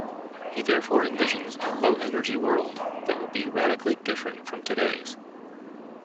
He therefore envisions a "low energy" world that will be radically different from today's.